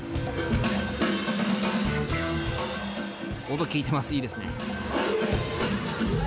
音聴いてますいいですね。